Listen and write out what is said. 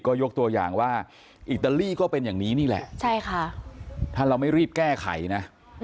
ก็ยกตัวอย่างว่าอิตาลีก็เป็นอย่างนี้นี่แหละใช่ค่ะถ้าเราไม่รีบแก้ไขนะ